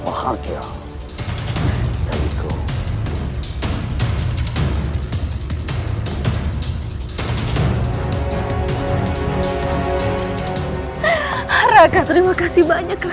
percayalah kepada aku adikku